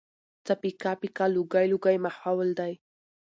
څه پيکه پيکه لوګی لوګی ماحول دی